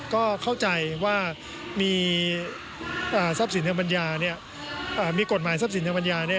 ก็เข้าใจว่ามีกฎหมายทรัพย์สินทางปัญญา